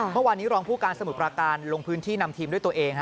เมื่อวานนี้รองผู้การสมุทรปราการลงพื้นที่นำทีมด้วยตัวเอง